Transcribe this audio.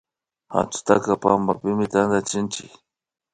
Katsutaka pampapimi tantachinchik